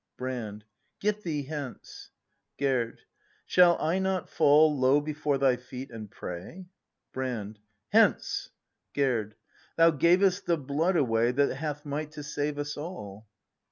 Brand. Get thee hence! Gerd. Shall I not fall Low before thy feet and pray ? Brand. Hence ! Gerd. Thou gavest the blood away That hath might to save us all!